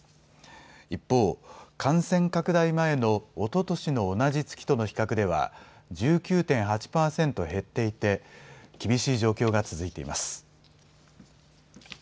一方、感染拡大前の、おととしの同じ月との比較では１９．８％減っていて厳しい状況が続いています。